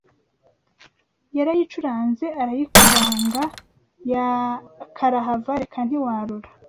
Yarayicuranze arayikubanga karahava reka ntiwarora